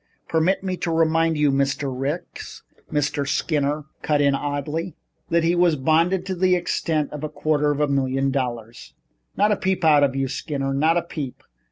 "Permit me to remind you, Mr. Ricks," Mr. Skinner cut in coldly, "that he was bonded to the extent of a quarter of a million dollars." "Not a peep out of you, Skinner. Not a peep.